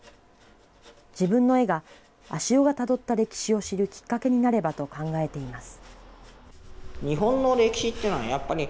自分の絵が、足尾がたどった歴史を知るきっかけになればと考えています。